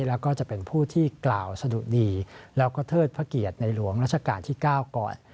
แล้วก็จะเป็นผู้ที่กล่าวสะดุดีแล้วก็เทิดพระเกียรติในหลวงราชการที่๙ก่อน